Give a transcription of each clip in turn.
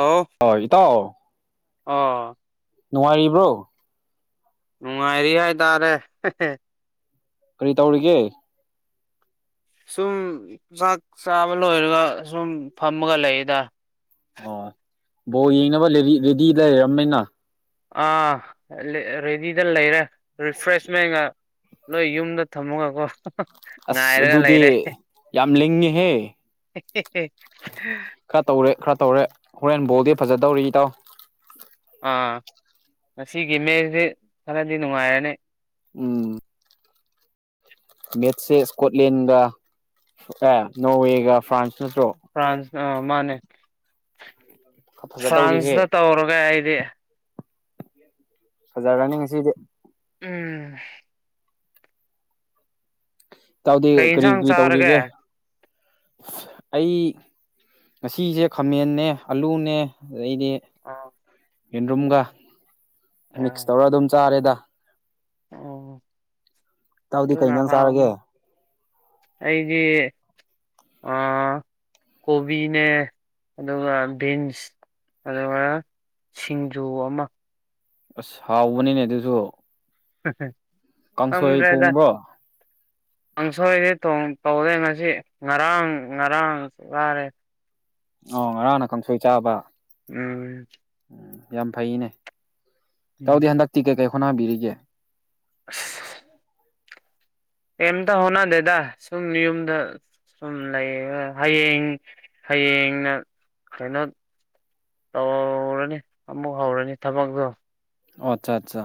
ꯑꯥꯎꯂ ꯍꯣꯏ ꯏꯇꯥꯎ ꯑꯣꯥ ꯅꯨꯡꯉꯥꯏꯔꯤꯕ꯭ꯔꯣ ꯅꯨꯡꯉꯥꯏꯔꯤ ꯍꯥꯏꯇꯥꯔꯦ ꯀꯔꯤ ꯇꯧꯔꯤꯒꯦ ꯁꯨꯝ ꯆꯥꯛ ꯆꯥꯕ ꯂꯣꯏꯔꯒ ꯁꯨꯝ ꯐꯝꯃꯒ ꯂꯩꯌꯦꯗ ꯑꯣ ꯕꯣ ꯌꯦꯡꯅꯕ ꯔꯦꯗꯤ ꯂꯩꯔꯝꯅꯤꯅ ꯑꯥ ꯔꯦꯗꯤꯗ ꯂꯩꯔꯦ ꯔꯤꯐ꯭ꯔꯦꯁꯃꯦꯟꯒ ꯂꯣꯏ ꯌꯨꯝꯗ ꯊꯝꯃꯒꯀꯣ ꯑꯁ ꯉꯥꯏꯔꯒ ꯂꯩꯔꯦ ꯑꯗꯨꯗꯤ ꯌꯥꯝ ꯂꯤꯡꯉꯤꯍꯦ ꯈꯔ ꯇꯧꯔꯦ ꯈꯔ ꯇꯧꯔꯦ ꯍꯣꯔꯦꯟ ꯕꯣꯜꯗꯤ ꯐꯖꯗꯧꯔꯤ ꯏꯇꯥꯎ ꯑꯥ ꯉꯁꯤꯒꯤ ꯃꯦꯁꯤ ꯈꯔꯗꯤ ꯅꯨꯡꯉꯥꯏꯔꯅꯤ ꯎꯝ ꯃꯦꯠꯁꯁꯦ ꯏꯁꯀꯣꯠꯂꯦꯟꯒ ꯑꯦ ꯅꯣꯔꯋꯦꯒ ꯐ꯭ꯔꯥꯟꯁ ꯅꯠꯇ꯭ꯔꯣ ꯐ꯭ꯔꯥꯟꯁ ꯑꯥ ꯃꯥꯅꯦ ꯐꯖꯗꯧꯔꯤꯍꯦ ꯐ꯭ꯔꯥꯟꯁꯇ ꯇꯧꯔꯒ ꯑꯩꯗꯤ ꯐꯖꯔꯥꯅꯤ ꯉꯁꯤꯗꯤ ꯎꯝ ꯇꯥꯎꯗꯤ ꯀꯩ ꯀꯔꯤ ꯌꯦꯟꯁꯥꯡ ꯀꯔꯤ ꯆꯥꯔꯒꯦ ꯇꯧꯔꯤꯒꯦ ꯑꯩ ꯉꯁꯤꯁꯦ ꯈꯥꯃꯦꯟꯅꯦ ꯑꯂꯨꯅꯦ ꯑꯗꯩꯗꯤ ꯑꯥ ꯌꯦꯟꯔꯨꯝꯒ ꯃꯤꯛꯁ ꯑꯣ ꯇꯧꯔꯒ ꯑꯗꯨꯝ ꯆꯥꯔꯦꯗ ꯑꯣ ꯏꯇꯥꯎꯗꯤ ꯀꯩ ꯑꯗꯨꯅ ꯏꯟꯖꯥꯡ ꯍꯥꯎꯅꯤ ꯆꯥꯔꯒꯦ ꯑꯩꯗꯤ ꯑ ꯀꯣꯕꯤꯅꯦ ꯑꯗꯨꯒ ꯕꯤꯟꯁ ꯑꯗꯨꯒ ꯁꯤꯡꯖꯨ ꯑꯃ ꯑꯁ ꯍꯥꯎꯕꯅꯤꯅꯦ ꯑꯗꯨꯁꯨ ꯀꯥꯡꯁꯣꯏ ꯈꯪꯗ꯭ꯔꯦꯗ ꯊꯣꯡꯕ꯭ꯔꯣ ꯀꯥꯡꯁꯣꯏꯗꯤ ꯊꯣꯡ ꯇꯧꯗꯦ ꯉꯁꯤ ꯉꯔꯥꯡ ꯉꯔꯥꯡ ꯋꯥꯔꯦ ꯑꯣ ꯉꯔꯥꯡꯅ ꯀꯥꯡꯁꯣꯏ ꯆꯥꯕ꯫ ꯎꯝ꯫ ꯌꯥꯝ ꯐꯩꯅꯦ ꯏꯇꯥꯎꯗꯤ ꯍꯟꯗꯛꯇꯤ ꯀꯩꯀꯩ ꯍꯣꯅꯥꯕꯤꯔꯤꯒꯦ꯫ ꯑꯁ꯫ ꯀꯦꯝꯇ ꯍꯣꯠꯅꯗꯦꯗ ꯁꯨꯝ ꯌꯨꯝꯗ ꯁꯨꯝ ꯂꯩꯔꯒ ꯍꯌꯦꯡ ꯍꯌꯦꯡꯅ ꯀꯩꯅꯣ ꯇꯧꯔꯅꯤ ꯑꯃꯨꯛ ꯍꯧꯔꯅꯤ ꯊꯕꯛꯇꯣ꯫ ꯑꯣ ꯑꯠꯆꯥ ꯑꯠꯆꯥ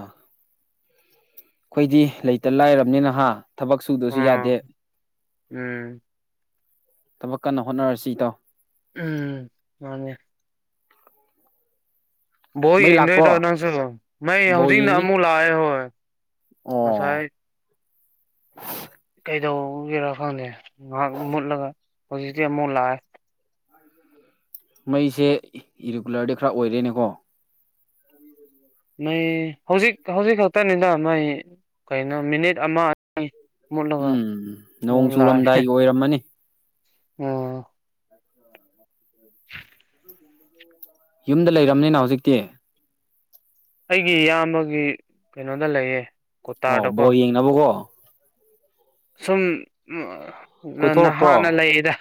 ꯑꯈꯣꯏꯗꯤ ꯂꯩꯇ ꯂꯥꯏꯔꯕꯅꯤꯅꯍꯥ ꯊꯕꯛ ꯁꯨ ꯁꯨꯗꯁꯨ ꯑꯥ ꯌꯥꯗꯦ ꯎꯝ ꯊꯕꯛ ꯀꯟꯅ ꯍꯣꯠꯅꯔꯁꯤ ꯏꯇꯥꯎ꯫ ꯎꯝ ꯃꯥꯅꯦ꯫ ꯕꯣꯜ ꯃꯩ ꯂꯥꯛꯄ꯭ꯔꯣ ꯌꯦꯡꯗꯣꯏꯔꯣ ꯅꯪꯁꯨ ꯃꯥꯏ ꯕꯣꯜ ꯍꯧꯖꯤꯛꯅ ꯌꯦꯡꯅꯤ ꯑꯃꯨꯛ ꯂꯥꯛꯑꯦ ꯍꯣꯢ ꯑꯣ ꯉꯁꯥꯏ ꯀꯩ ꯗꯧꯕꯒꯤꯔꯥ ꯈꯪꯗꯦ ꯉꯥꯍꯥꯛ ꯃꯨꯠꯂꯒ ꯍꯧꯖꯤꯛꯇꯤ ꯑꯃꯨꯛ ꯂꯥꯛꯑꯦ꯫ [unintelligible] ꯃꯩꯁꯦ ꯏꯔꯤꯒꯨꯂꯔꯗꯤ ꯈꯔ ꯑꯣꯏꯔꯦꯅꯦꯀꯣ꯫ ꯃꯩ ꯍꯧꯖꯤꯛ ꯍꯧꯖꯤꯛ ꯈꯛꯇꯅꯤꯗ ꯃꯩ ꯀꯩꯅꯣ ꯃꯤꯅꯤꯠ ꯑꯃ ꯃꯨꯠꯂꯒ ꯎꯝ ꯅꯣꯡ ꯃꯨꯛ ꯂꯥꯛꯑꯦ꯫ ꯆꯨꯔꯝꯗꯥꯏꯒꯤ ꯑꯣꯏꯔꯝꯃꯅꯤ [inaudible] [unintelligible] ꯌꯨꯝꯗ ꯂꯩꯔꯝꯅꯤꯅ ꯍꯧꯖꯤꯛꯇꯤ꯫ ꯑꯩꯒꯤ ꯏꯌꯥꯝꯕꯒꯤ ꯀꯩꯅꯣꯗ ꯂꯩꯌꯦ꯫ ꯑꯣ ꯀꯣꯇꯥꯔꯗꯀꯣ ꯕꯣꯜ ꯌꯦꯡꯅꯕꯀꯣ꯫ ꯁꯨꯝ ꯅ ꯀꯣꯏꯊꯣꯔꯛꯄ꯭ꯔꯣ ꯅꯍꯥꯟꯅ ꯂꯩꯌꯦꯗ꯫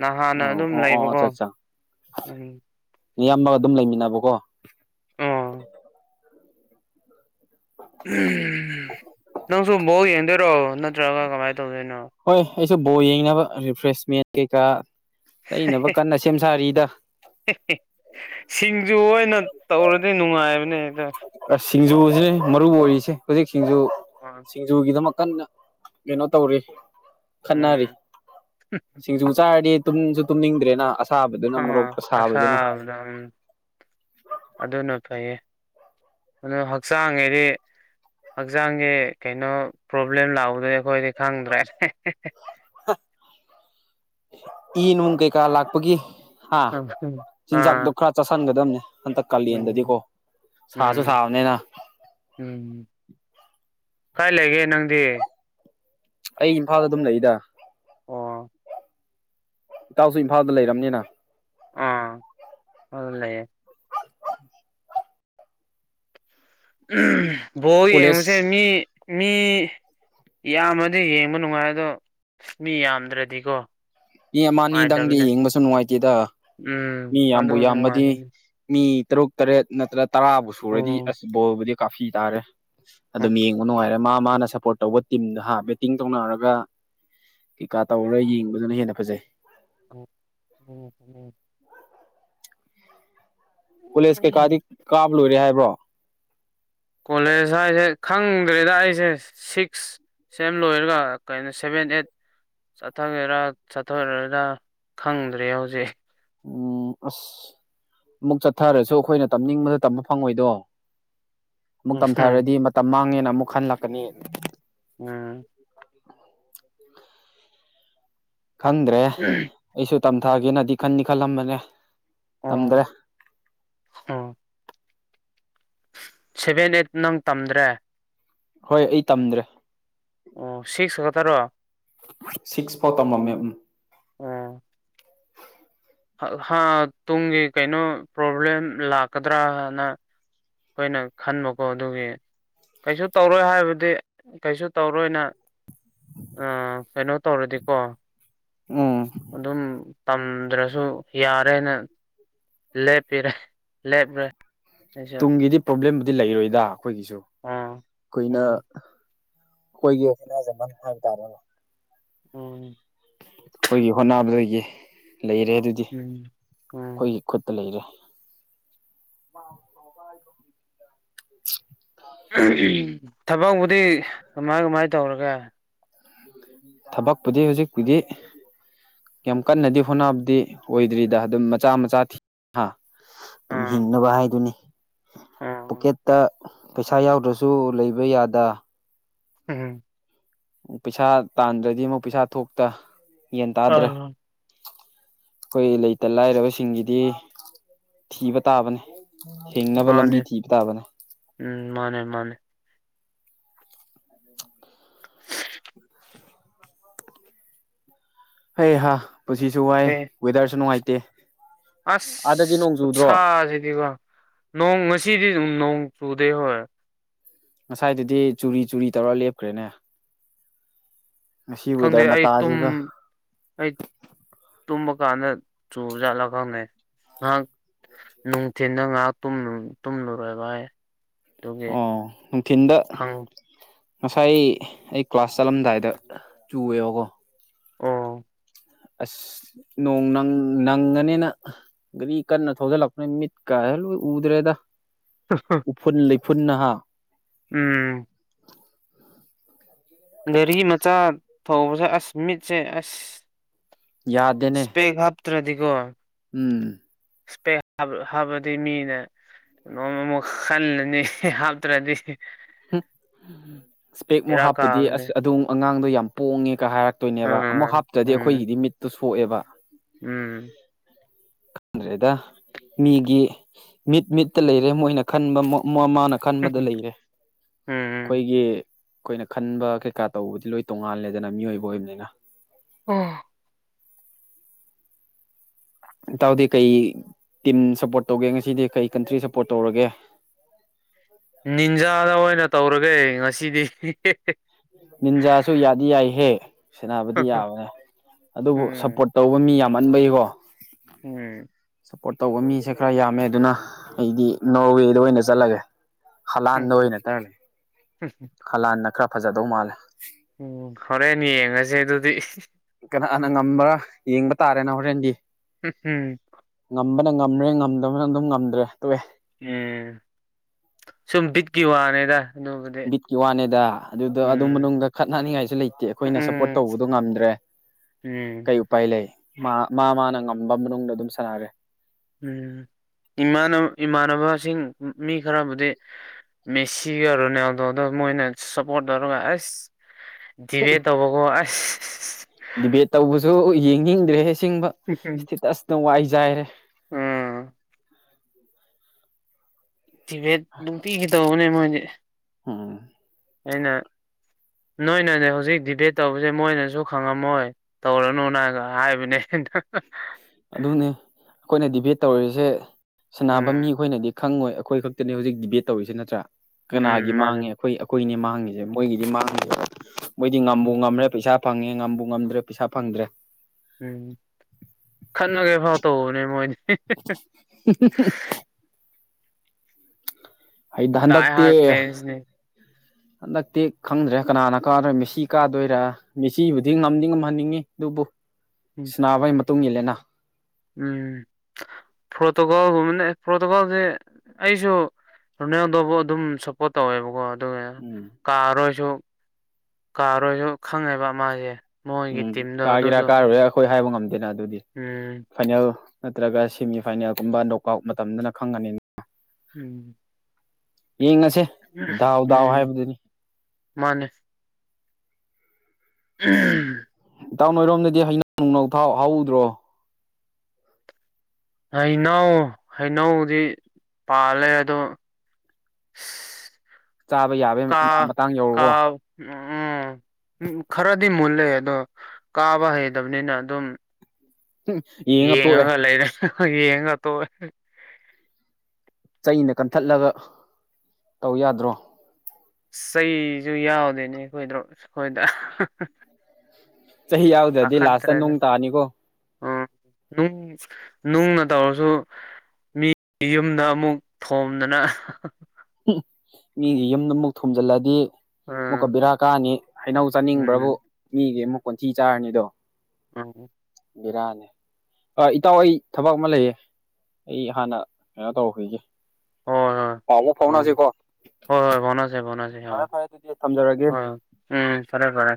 ꯅꯍꯥꯟꯅ ꯑꯣ ꯑꯗꯨꯝ ꯑꯣ ꯑꯣ ꯂꯩꯕꯀꯣ ꯎꯝ꯫ ꯏꯌꯥꯝꯕꯒ ꯑꯗꯨꯝ ꯂꯩꯃꯤꯟꯅꯕꯀꯣ꯫ ꯑꯣ ꯅꯪꯁꯨ ꯕꫭꯜ ꯌꯦꯡꯗꯣꯏꯔꯣ ꯅꯠꯇ꯭ꯔꯒ ꯀꯃꯥꯏ ꯇꯧꯗꯣꯏꯅꯣ꯫ ꯍꯣꯏ ꯑꯩꯁꯨ ꯕꯣꯜ ꯌꯦꯡꯅꯕ ꯔꯤꯐ꯭ꯔꯦꯁꯃꯦꯟ ꯀꯩꯀꯥ ꯂꯩꯅꯕ ꯀꯟꯅ ꯁꯦꯝ ꯁꯥꯔꯤꯗ꯫ ꯁꯤꯡꯖꯨ ꯑꯣꯏꯅ ꯇꯧꯔꯗꯤ ꯅꯨꯡꯉꯥꯏꯕꯅꯦ ꯑꯗꯣ꯫ ꯑꯁ ꯁꯤꯡꯖꯨꯁꯤꯅꯦ ꯃꯔꯨ ꯑꯣꯏꯔꯤꯁꯦ ꯍꯧꯖꯤꯛ ꯁꯤꯡꯖꯨ [inaudible] ꯁꯤꯡꯖꯨꯒꯤꯗꯃꯛ ꯀꯟꯅ ꯀꯩꯅꯣ ꯇꯧꯔꯤ꯫ ꯈꯟꯅꯔꯤ ꯎꯝ ꯁꯤꯡꯖꯨ ꯆꯥꯔꯗꯤ ꯇꯨꯝꯁꯨ ꯇꯨꯝꯅꯤꯡꯗ꯭ꯔꯦꯅ ꯑꯁ ꯁꯥꯕꯗꯨꯅ ꯃꯣꯔꯣꯛ ꯑꯥ ꯈꯔ ꯁꯥꯕꯗꯨꯅ꯫ [inaudible] ꯑꯗꯨꯅ ꯐꯩꯌꯦ ꯑꯗꯨ ꯍꯛꯆꯥꯡꯒꯤꯗꯤ ꯍꯛꯆꯥꯡꯁꯦ ꯀꯩꯅꯣ ꯄ꯭ꯔꯣꯕ꯭ꯂꯦꯝ ꯂꯥꯛꯄꯗꯤ ꯑꯩꯈꯣꯏꯗꯤ ꯈꯪꯗ꯭ꯔꯦ꯫ ꯍꯥ ꯏ ꯅꯨꯡ ꯀꯩꯀꯥ ꯂꯥꯛꯄꯒꯤ꯫ ꯍꯥ ꯑꯥ ꯆꯤꯟꯖꯥꯛꯗꯨ ꯈ꯭ꯔ ꯆꯁꯟꯒꯗꯝꯅꯦ ꯍꯟꯗꯛ ꯎꯝ ꯀꯥꯂꯦꯟꯗꯗꯤꯀꯣ ꯁꯥꯁꯨ ꯎꯝ ꯁꯥꯕꯅꯤꯅ꯫ ꯎꯝ ꯀꯥꯏ ꯂꯩꯒꯦ ꯅꯪꯗꯤ꯫ ꯑꯩ ꯏꯝꯐꯥꯜꯗ ꯑꯗꯨꯝ ꯂꯩꯗ꯫ ꯑꯣ꯫ ꯏꯇꯥꯎꯁꯨ ꯏꯝꯐꯥꯜꯗ ꯂꯩꯔꯝꯅꯤꯅ꯫ ꯑꯥ ꯑꯗ ꯂꯩꯌꯦ꯫ ꯕꯣꯜ ꯀꯣꯂꯦꯖ ꯌꯦꯡꯕꯁꯦ ꯃꯤ ꯃꯤ ꯌꯥꯝꯃꯗꯤ ꯌꯦꯡꯕ ꯅꯨꯡꯉꯥꯏ ꯑꯗꯣ ꯃꯤ ꯌꯥꯝꯗ꯭ꯔꯗꯤꯀꯣ ꯃꯤ ꯑꯃꯅꯤꯗꯪꯗꯤ ꯅꯨꯡꯉꯥꯏꯇꯕꯅꯦ ꯌꯦꯡꯕꯁꯨ ꯅꯨꯡꯉꯥꯏꯇꯦꯗ ꯎꯝ ꯃꯤ ꯑꯗꯨ ꯌꯥꯝꯕꯨ ꯌꯥꯝꯃꯗꯤ ꯅꯨꯡꯉꯥꯏꯕꯅꯤ ꯃꯤ ꯇꯔꯨꯛ ꯇꯔꯦꯠ ꯅꯠꯇ꯭ꯔ ꯇꯔꯥꯕꯨ ꯁꯨꯔꯗꯤ ꯎꯝ ꯑꯁ ꯕꯣꯜꯕꯨꯗꯤ ꯀꯥꯞꯐꯤ ꯇꯥꯔꯦ ꯑꯗꯨꯝ ꯌꯦꯡꯕ ꯅꯨꯡꯉꯥꯏꯔꯦ ꯃꯥ ꯃꯥꯅ ꯁꯞꯄꯣꯔꯠ ꯇꯧꯕ ꯇꯤꯝꯗ ꯍꯥ ꯕꯦꯠꯇꯤꯡ ꯇꯧꯅꯔꯒ ꯀꯩꯀꯥ ꯇꯧꯔ ꯌꯦꯡꯕꯗꯨꯅ ꯍꯦꯟꯅ ꯐꯖꯩ ꯎ ꯎꯨꯝ ꯎꯨꯝ ꯀꯣꯂꯦꯖ ꯎꯝ ꯀꯩꯀꯥꯗꯤ ꯀꯥꯕ ꯂꯣꯏꯔꯦ ꯍꯥꯏꯕ꯭ꯔꯣ ꯀꯣꯂꯦꯖ ꯍꯥꯏꯁꯦ ꯈꯪꯗ꯭ꯔꯦꯗ ꯑꯩꯁꯦ ꯁꯤꯛꯁ ꯁꯦꯝ ꯂꯣꯏꯔꯒ ꯀꯩꯅꯣ ꯁꯚꯦꯟ ꯑꯩꯠ ꯆꯠꯊꯒꯦꯔꯥ ꯆꯠꯊꯔꯣꯏꯔ ꯈꯪꯗ꯭ꯔꯦ ꯍꯧꯖꯤꯛ ꯎꯨꯝ ꯑꯁ ꯑꯃꯨꯛ ꯆꯠꯊꯔꯁꯨ ꯑꯩꯈꯣꯏꯅ ꯇꯝꯅꯤꯡꯕꯗ ꯇꯝꯕ ꯐꯪꯉꯣꯏꯗꯣ ꯑꯃꯨꯛ ꯎꯝ ꯇꯝꯊꯔꯗꯤ ꯃꯇꯝ ꯃꯥꯡꯉꯦꯅ ꯑꯃꯨꯛ ꯈꯟꯂꯛꯀꯅꯤ ꯎꯨꯝ ꯈꯪꯗ꯭ꯔꯦ ꯑꯩꯁꯨ ꯇꯝꯊꯥꯒꯦꯅꯗꯤ ꯈꯟꯅꯤ ꯈꯜꯂꯝꯕꯅꯦ ꯇꯝꯗ꯭ꯔꯦ ꯎꯨꯝ ꯁꯦꯚꯦꯟ ꯑꯩꯠ ꯅꯪ ꯇꯝꯗ꯭ꯔꯦ ꯍꯣꯏ ꯑꯩ ꯇꯝꯗ꯭ꯔꯦ ꯑꯣ ꯁꯤꯛꯁ ꯈꯛꯇꯔꯣ ꯁꯤꯛꯁ ꯐꯥꯎ ꯇꯝꯃꯝꯃꯦ ꯎꯨꯝ ꯎꯨꯝ ꯍ ꯍꯥ ꯇꯨꯡꯒꯤ ꯀꯩꯅꯣ ꯄ꯭ꯔꯣꯕ꯭ꯂꯦꯝ ꯂꯥꯛꯀꯗ꯭ꯔꯥꯅ ꯑꯩꯈꯣꯏꯅ ꯈꯟꯕꯀꯣ ꯑꯗꯨꯒꯤ ꯀꯩꯁꯨ ꯇꯧꯔꯣꯏ ꯍꯥꯏꯕꯗꯤ ꯀꯩꯁꯨ ꯇꯧꯔꯣꯏꯅ ꯑ ꯀꯩꯅꯣ ꯇꯧꯔꯗꯤꯀꯣ ꯎꯝ ꯑꯗꯨꯝ ꯇꯝꯗ꯭ꯔꯁ ꯁꯨ ꯌꯥꯔꯦꯅ ꯂꯦꯞꯄꯤꯔꯦ ꯂꯦꯞꯔꯦ ꯑꯩꯁꯨ ꯇꯨꯡꯒꯤꯗꯤ ꯄ꯭ꯔꯣꯕ꯭ꯂꯦꯝꯕꯨꯗꯤ ꯂꯩꯔꯣꯏꯗ ꯑꯩꯈꯣꯏꯒꯤꯁꯨ ꯑꯥ ꯀꯨꯏꯅ ꯎꯝ ꯑꯩꯈꯣꯏꯒꯤ ꯍꯣꯠꯅꯖꯃꯟ ꯍꯥꯏꯕ ꯇꯥꯔꯦꯅꯦ ꯎꯨꯝ ꯑꯩꯈꯣꯏꯒꯤ ꯍꯣꯠꯅꯕꯗꯒꯤ ꯂꯩꯔꯦ ꯑꯗꯨꯗꯤ ꯎꯝ ꯎꯝ ꯑꯩꯈꯣꯏꯒꯤ ꯈꯨꯠꯇ ꯂꯩꯔꯦ ꯑꯥ ꯑꯍꯨ ꯊꯕꯛꯕꯨꯗꯤ ꯀꯃꯥꯏ ꯀꯃꯥꯏ ꯇꯧꯔꯒꯦ ꯊꯕꯛꯄꯨꯗꯤ ꯍꯧꯖꯤꯛꯄꯨꯗꯤ ꯌꯥꯝ ꯀꯟꯅꯗꯤ ꯍꯣꯠꯅꯕꯗꯤ ꯑꯣꯏꯗ꯭ꯔꯤꯗ ꯑꯗꯨꯝ ꯃꯆꯥ ꯃꯆꯥ ꯊꯤ ꯍꯥ ꯑꯗꯨꯝ ꯑꯥ ꯍꯤꯡꯅꯕ ꯍꯥꯏꯗꯨꯅꯤ ꯑꯥ ꯄꯣꯛꯀꯦꯠꯇ ꯄꯩꯁꯥ ꯌꯥꯎꯗ꯭ꯔꯁꯨ ꯂꯩꯕ ꯌꯥꯗ ꯎꯨꯝ ꯄꯩꯁꯥ ꯇꯥꯟꯗ꯭ꯔꯗꯤ ꯑꯃꯨꯛ ꯄꯩꯁꯥ ꯊꯣꯛꯇ ꯌꯦꯟ ꯇꯥꯗ꯭ꯔꯦ ꯑꯥ ꯑꯩꯈꯣꯏ ꯂꯩꯇꯥ ꯂꯥꯏꯔꯕꯁꯤꯡꯒꯤꯗꯤ ꯊꯤꯕ ꯇꯥꯕꯅꯤ ꯍꯤꯡꯅꯕ ꯂꯝꯕꯤ ꯊꯤꯕ ꯇꯥꯕꯅꯤ ꯎꯨꯝ ꯃꯥꯟꯅꯦ ꯃꯥꯟꯅꯦ [inaudible] ꯍꯩ ꯍꯥꯥ ꯄꯨꯟꯁꯤꯁꯨ ꯋꯥꯏ ꯑꯦ ꯋꯦꯗꯔꯁꯨ ꯅꯨꯡꯉꯥꯏꯇꯦ ꯑꯥꯗꯗꯤ ꯑꯁ ꯅꯣꯡ ꯆꯨꯗ꯭ꯔꯣ ꯈꯨꯠꯁꯥꯁꯤꯗꯤꯀꯣ ꯅꯣꯡ ꯉꯁꯤꯗꯤ ꯅꯣꯡ ꯆꯨꯗꯦ ꯍꯣꯏ ꯉꯁꯥꯏꯗꯨꯗꯤ ꯆꯨꯔꯤ ꯆꯨꯔꯤ ꯇꯧꯔ ꯂꯦꯞꯈ꯭ꯔꯦꯅꯦ ꯉꯁꯤ ꯈꯪꯗꯦ ꯋꯦꯗꯔ ꯑꯩ ꯇꯨꯝ ꯃꯇꯥꯁꯤꯒꯥ ꯑꯩ ꯇꯨꯝꯕ ꯀꯥꯟꯗ ꯆꯨꯕꯖꯥꯠꯂꯥ ꯈꯪꯗꯦ ꯉꯍꯥꯛ ꯅꯨꯡꯊꯤꯟꯗ ꯉꯥꯏꯍꯥꯛ ꯇꯨꯝꯂꯨ ꯇꯨꯝꯂꯨꯔꯦꯕ ꯑꯩ ꯑꯗꯨꯒꯤ ꯑꯣ ꯊꯤꯟꯗ ꯈꯪ ꯉꯁꯥꯏ ꯑꯩ ꯀ꯭ꯂꯥꯁ ꯆꯠꯂꯝꯗꯥꯏꯗ ꯆꯨꯑꯦꯕꯀꯣ ꯑꯣ ꯑꯁ ꯅꯣꯡ ꯅꯪ ꯅꯪꯒꯅꯤꯅ ꯒꯥꯔꯤ ꯀꯟꯅ ꯊꯧꯖꯤꯜꯂꯛꯄꯅꯦ ꯃꯤꯠ ꯀꯥꯁꯤ ꯂꯣꯏ ꯎꯗ꯭ꯔꯦꯗ [inaudible] ꯎꯐꯨꯟ ꯂꯩꯐꯨꯟꯅ ꯍꯥ ꯎꯝ ꯒꯥꯔꯤ ꯃꯆꯥ ꯊꯧꯕꯁꯦ ꯑꯁ ꯃꯤꯠꯁꯦ ꯑꯁ ꯌꯥꯗꯦꯅꯦ ꯏꯁꯄꯦꯛ ꯍꯥꯞꯇ꯭ꯔꯗꯤꯀꯣ ꯎꯝ ꯏꯁꯄꯦꯛ [unintelligible] ꯍꯥꯞꯔꯥꯗꯤ ꯃꯤꯅ ꯅꯣꯡꯃ ꯑꯃꯨꯛ ꯈꯜꯂꯅꯤ ꯍꯥꯞꯇ꯭ꯔꯗꯤ ꯏꯁꯄꯦꯛꯃꯨ ꯕꯦꯔꯥ ꯍꯥꯞꯄꯗꯤ ꯀꯥꯕꯅꯦ ꯑꯁ ꯑꯗꯨꯝ ꯑꯉꯥꯡꯗꯣ ꯌꯥꯝ ꯄꯣꯡꯉꯦꯒ ꯍꯥꯏꯔ ꯍꯥꯞꯇꯣꯏꯅꯦꯕ ꯑꯃꯨꯛ ꯑꯥ ꯍꯥꯞꯇ꯭ꯔꯗꯤ ꯎꯝ ꯑꯩꯈꯣꯏꯒꯤꯗꯤ ꯃꯤꯠꯇꯣ ꯁꯣꯛꯑꯦꯕ ꯎꯝ ꯈꯪꯗ꯭ꯔꯦꯗ ꯃꯤꯒꯤ ꯃꯤꯠ ꯃꯤꯠꯇ ꯂꯩꯔꯦ ꯃꯣꯏꯅ ꯈꯟꯕ ꯃ ꯃꯥꯅ ꯈꯟꯕꯗ ꯂꯩꯔꯦ ꯎꯝ ꯑꯩꯈꯣꯏꯒꯤ ꯑꯩꯈꯣꯏꯅ ꯈꯟꯕ ꯀꯩꯀꯥ ꯇꯧꯕꯗꯤ ꯂꯣꯏ ꯇꯣꯡꯉꯥꯜꯂꯦꯗꯅ ꯃꯤꯑꯣꯏꯕ ꯑꯣꯏꯕꯅꯤꯅ ꯎꯝ ꯏꯇꯎꯗꯤ ꯀꯩ ꯇꯤꯝ ꯁꯞꯄꯣꯔꯠ ꯇꯧꯒꯦ ꯉꯁꯤꯗꯤ ꯀꯩ ꯀꯟꯇ꯭ꯔꯤ ꯁꯞꯄꯣꯔꯠ ꯇꯧꯔꯒꯦ ꯅꯤꯟꯖꯥꯗ ꯑꯣꯏꯅ ꯇꯧꯔꯒꯦ ꯉꯁꯤꯗꯤ ꯅꯤꯟꯖꯥꯁꯨ ꯌꯥꯗꯤ ꯌꯥꯏꯍꯦ ꯁꯦꯅꯕꯗꯤ ꯌꯥꯕꯅꯦ ꯑꯗꯨꯕꯨ ꯎꯝ ꯁꯞꯄꯣꯔꯠ ꯇꯧꯕ ꯃꯤ ꯌꯥꯝꯃꯟꯕꯩꯀꯣ ꯎꯝ ꯁꯞꯄꯣꯔꯠ ꯇꯧꯕ ꯃꯤꯁꯦ ꯈꯔ ꯌꯥꯝꯃꯦ ꯑꯗꯨꯅ ꯑꯩꯗꯤ ꯅꯣꯔꯋꯦꯗ ꯑꯣꯏꯅ ꯆꯠꯂꯒꯦ ꯎꯝ ꯍꯂꯥꯟꯗ ꯗ ꯑꯣꯏꯅ [unintelligible] ꯍꯂꯥꯟꯗꯅ ꯈꯔ ꯐꯖꯗꯧ ꯃꯥꯜꯂꯦ ꯎꯝ ꯍꯣꯔꯦꯟ ꯌꯦꯡꯉꯁꯦ ꯑꯗꯨꯗꯤ ꯀꯅꯥꯅ ꯉꯝꯕ꯭ꯔꯥ ꯌꯦꯡꯕ ꯇꯥꯔꯦꯅ ꯍꯣꯔꯦꯟꯗꯤ [inaudible] ꯉꯝꯕꯅ ꯉꯝꯔꯦ ꯉꯝꯗꯕꯅ ꯑꯗꯨꯝ ꯉꯝꯗ꯭ꯔꯦ ꯇꯣꯛꯑꯦ ꯎꯝ ꯁꯨꯝ ꯕꯤꯠꯀꯤ ꯋꯥꯅꯦꯗ ꯕꯤꯠꯀꯤ ꯋꯥꯅꯦꯗ ꯑꯗꯨꯗ ꯑꯗꯨ ꯎꯝ ꯃꯅꯨꯡꯗ ꯈꯠꯅꯅꯤꯡꯉꯥꯏꯁꯨ ꯂꯩꯇꯦ ꯑꯩꯈꯣꯏꯅ ꯁꯞꯄꯣꯔꯠ ꯎꯝ ꯇꯧꯕꯗꯣ ꯉꯝꯗ꯭ꯔꯦ ꯎꯝ ꯀꯩ ꯎꯄꯥꯏ ꯂꯩ ꯃꯥ ꯃꯥ ꯃꯥꯅ ꯉꯝꯕ ꯃꯅꯨꯡꯗ ꯑꯗꯨꯝ ꯁꯥꯟꯅꯔꯦ ꯎꯝ ꯏꯃꯥꯟ ꯏꯃꯥꯟꯅꯕꯁꯤꯡ ꯃꯤ ꯈꯔꯕꯨꯗꯤ ꯃꯦꯁꯤꯒ ꯔꯣꯅꯥꯜꯗꯣꯒꯗ ꯃꯣꯏꯅ ꯁꯞꯄꯣꯔꯠꯒ ꯑꯁ ꯗꯤꯕꯦꯠ ꯇꯧꯕꯀꯣ ꯑꯁ ꯗꯤꯕꯦꯠ ꯇꯧꯕꯁꯨ ꯌꯦꯡꯅꯤꯡꯗ꯭ꯔꯦ ꯑꯥꯁꯦꯡꯕ ꯏꯁꯇꯦꯇꯁꯅ ꯋꯥꯏꯆꯥꯏꯔꯦ ꯎꯝ ꯗꯤꯚꯦꯠ ꯅꯨꯡꯇꯤꯒꯤꯇꯧꯕꯅꯦ ꯃꯣꯏꯗꯤ [inaudible] ꯑꯩꯅ ꯅꯣꯏꯅꯦ ꯍꯧꯖꯤꯛ ꯗꯤꯕꯦꯠ ꯇꯧꯕꯁꯦ ꯃꯣꯏꯅꯁꯨ ꯈꯪꯉꯝꯃꯣꯏ ꯇꯧꯔꯅꯨꯅꯒ ꯍꯥꯏꯕꯅꯦ ꯑꯗꯨꯅꯤ ꯑꯩꯈꯣꯏꯅ ꯗꯦꯕꯦꯠ ꯇꯧꯔꯤꯁꯦ ꯁꯤꯟꯅꯕ ꯃꯤ ꯎꯝ ꯑꯩꯈꯣꯏꯅꯗꯤ ꯈꯪꯉꯣꯏ ꯑꯩꯈꯣꯏ ꯈꯠ ꯇꯅꯦ ꯍꯧꯖꯤꯛ ꯗꯦꯕꯦꯠ ꯇꯧꯔꯤꯁꯤ ꯅꯠꯇ꯭ꯔꯥ ꯎꯝ ꯀꯅꯥꯒꯤ ꯃꯥꯅꯦ ꯃꯥꯡꯉꯦ ꯑꯩꯈꯣꯏ ꯑꯩꯈꯣꯏꯅꯦ ꯃꯥꯡꯉꯤꯁꯦ ꯃꯣꯏꯒꯤꯗꯤ ꯎꯝ ꯃꯥꯡꯗꯦꯕ ꯃꯣꯏꯗꯤ ꯉꯝꯕꯨ ꯉꯝꯃꯦ ꯄꯩꯁꯥ ꯐꯪꯉꯦ ꯉꯝꯕ ꯉꯝꯗ꯭ꯔꯦ ꯄꯩꯁꯥ ꯐꯪꯗ꯭ꯔꯦ꯫ ꯎꯝ ꯈꯟꯅꯒꯦ ꯐꯥꯎ ꯇꯧꯕꯅꯦ ꯃꯣꯏꯗꯤ [inaudible] ꯑꯩꯗ ꯗꯥꯏ ꯍꯟꯗꯛꯇꯤ ꯍꯥꯔꯠ ꯐꯦꯟꯁꯅꯦ ꯍꯟꯗꯛꯇꯤ ꯈꯪꯗ꯭ꯔꯦ ꯀꯅꯥꯅ ꯀꯥꯗꯣꯏ ꯃꯦꯁꯤ ꯀꯥꯗꯣꯏꯔꯥ ꯃꯦꯁꯤꯕꯨꯗꯤ ꯉꯝꯗꯤ ꯉꯝꯍꯟꯅꯤꯡꯉꯤ ꯑꯗꯨꯕꯨ ꯁꯤꯟꯅꯕꯒꯤ ꯃꯇꯨꯡ ꯏꯜꯂꯦꯅ ꯎꯝ ꯄꯣꯔꯇꯨꯒꯜꯒꯨꯝꯕꯅꯦ ꯄꯣꯔꯇꯨꯒꯜꯁꯦ ꯑꯩꯁꯨ ꯔꫭꯅꯦꯜꯗꫭꯕꯨ ꯑꯗꯨꯝ ꯁꯞꯄꯣꯔꯠ ꯇꯧꯋꯦꯕꯀꯣ ꯑꯗꯨꯒ ꯎꯝ ꯀꯥꯔꯣꯏꯁꯨ ꯀꯥꯔꯣꯏꯁꯨ ꯈꯪꯉꯦꯕ ꯃꯥꯁꯦ ꯃꯣꯏꯒꯤ ꯎꯝ ꯇꯤꯝꯗꯣ ꯑꯗꯨꯁꯨ ꯀꯥꯒꯦꯔꯥ ꯀꯥꯔꫭꯏꯔꯥ ꯑꯩꯈꯣꯏ ꯍꯥꯏꯕ ꯉꯝꯗꯦꯅ ꯑꯗꯨꯗꯤ ꯎꯝ꯫ ꯐꯥꯏꯅꯜ ꯅꯠꯇ꯭ꯔꯒ ꯁꯦꯃꯤ ꯐꯥꯏꯅꯜꯒꯨꯝꯕ ꯅꯣꯛꯑꯥꯎꯠ ꯃꯇꯝꯗꯅ ꯈꯪꯉꯅꯤꯅ ꯎꯝ꯫ ꯌꯦꯡꯉꯁꯦ ꯗꯥꯎ ꯗꯥꯎ ꯍꯥꯏꯕꯗꯨꯅꯤ ꯃꯥꯅꯤ ꯎꯝ꯫ ꯏꯇꯥꯎ ꯅꯣꯏꯔꯣꯝꯗꯗꯤ ꯍꯩꯅꯧ ꯅꯨꯡꯅꯧ ꯊꯥꯎ ꯍꯧꯗ꯭ꯔꯣ꯫ ꯍꯩꯅꯧ ꯍꯩꯅꯧꯗꯤ ꯄꯥꯜꯂꯦ ꯑꯗꯣ [inaudible] ꯆꯥꯕ ꯌꯥꯕꯩ ꯃꯇꯥꯡ ꯌꯧꯔꯕꯣ ꯑꫭ ꯑꫭ ꯎꯝ ꯈꯔꯗꯤ ꯃꯨꯜꯂꯦ ꯑꯗꯣ ꯀꯥꯕ ꯍꯩꯇꯕꯅꯤꯅ ꯑꯗꯨꯝ ꯍꯨꯝ ꯌꯥ ꯌꯦꯡꯉꯒ ꯂꯩꯔꯦ ꯌꯦꯡꯉꯒ ꯇꯣꯛꯑꯦ ꯆꯩꯅ ꯀꯟꯊꯠꯂꯒ ꯇꯧ ꯌꯥꯗ꯭ꯔꯣ꯫ ꯆꯩꯁꯨ ꯌꯥꯎꯗꯦꯅꯦ ꯑꯩꯈꯣꯏꯗ꯭ꯔꫭ ꯑꯩꯈꯣꯏꯗ ꯆꯩ ꯌꯥꯎꯗ꯭ꯔꯗꯤ ꯂꯥꯁꯇ ꯅꯨꯡ ꯇꯥꯅꯤꯀꯣ ꯑꯥ ꯅꯨꯡꯁꯦ ꯅꯨꯡꯅ ꯇꯧꯔꯁꯨ ꯃꯤ ꯌꯨꯝꯗ ꯑꯃꯨꯛ ꯊꯣꯝꯗꯅ ꯍꯨꯝ ꯃꯤꯒꯤ ꯌꯨꯝꯗ ꯑꯃꯨꯛ ꯊꯣꯝꯖꯤꯜꯂꯗꯤ ꯑꯃꯨꯛꯀ ꯎꯝ ꯕꯦꯔꯥ ꯀꯥꯅꯤ ꯍꯩꯅꯧ ꯆꯥꯅꯤꯡꯕ꯭ꯔꯥꯕꯨ ꯎꯝ ꯃꯤꯒꯤ ꯑꯃꯨꯛ ꯀꯣꯟꯊꯤ ꯆꯥꯔꯅꯤꯗꯣ ꯎꯝ꯫ ꯕꯦꯔꯥꯅꯦ ꯑ ꯏꯇꯥꯎ ꯑꯩ ꯊꯕꯛ ꯑꯃ ꯂꯩꯌꯦ ꯑꯩ ꯍꯥꯟꯅ ꯀꯩꯅꯣ ꯇꯧꯈꯤꯒꯦ꯫ ꯍꯣꯏ ꯍꯣꯏ ꯄꯥꯎ ꯑꯃꯨꯛ ꯎꯝ ꯐꯥꯎꯅꯁꯤ ꯀꯣ ꯍꯣꯏ ꯍꯣꯏ ꯐꯥꯎꯅꯁꯦ ꯐꯥꯎꯅꯁꯦ ꯑ ꯑꯗꯨꯗꯤ ꯊꯝꯖꯔꯒꯦ ꯍꯣꯏ ꯎꯝ ꯐꯥꯔꯦ ꯐꯥꯔꯦ